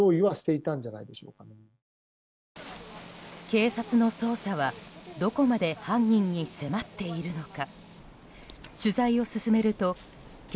警察の捜査はどこまで犯人に迫っているのか。